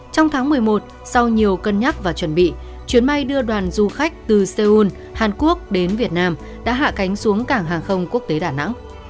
trong tháng một mươi một sau nhiều cân nhắc và chuẩn bị chuyến bay đưa đoàn du khách từ seoul hàn quốc đến việt nam đã hạ cánh xuống cảng hàng không quốc tế đà nẵng